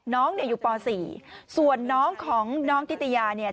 น้องเนี่ยอยู่ป๔ส่วนน้องของน้องธิติยาเนี่ย